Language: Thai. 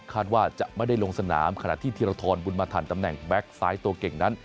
คาดว่าจะไม่ได้ลงสนามขณะที่ธีรทรบุญมาทันตำแหน่งแก๊กซ้ายตัวเก่งนั้น